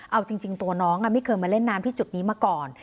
เอาจริงตัวน้องไม่เคยมาเล่นน้ำที่จุดนี้มาก่อน